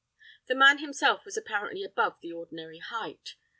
The man himself was apparently above the ordinary height.